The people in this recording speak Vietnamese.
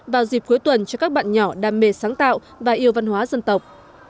vào dịp cuối tuần cho các bạn nhỏ đam mê sáng tạo và yêu văn hóa dân tộc